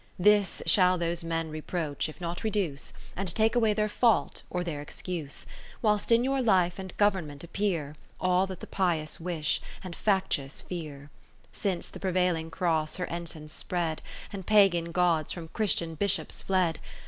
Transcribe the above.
This shall those men reproach, if not reduce. And take away their fault, or their excuse. Whilst in your life and government appear All that the pious wish, and factious fear. 50 I Since the prevailing Cross her \ ensigns spread, And Pagan Gods from Christian Bishops fled.